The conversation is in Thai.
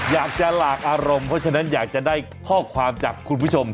อยากจะหลากอารมณ์เพราะฉะนั้นอยากจะได้ข้อความจากคุณผู้ชม